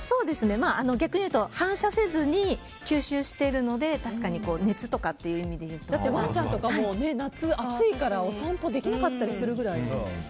逆に言うと反射せずに吸収しているのでワンちゃんとかも夏、暑いからお散歩できなかったりするくらい。